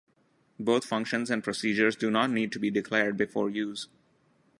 Both functions and procedures do not need to be declared before use.